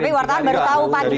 tapi wartawan baru tahu pagi